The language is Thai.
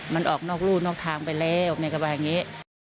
มันออกนอกรูดออกทางไปแล้วมันกระบายอย่างนี้